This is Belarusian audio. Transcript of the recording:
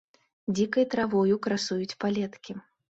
Дзікай травою красуюць палеткі.